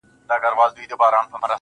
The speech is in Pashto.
• زه د یویشتم قرن غضب ته فکر نه کوم.